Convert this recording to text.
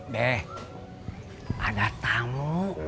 be ada tamu